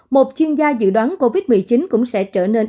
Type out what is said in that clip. một chuyên gia dự đoán covid một mươi chín cũng sẽ trở nên